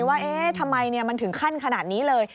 ว่าทำไมมันถึงขั้นขนาดนี้เลย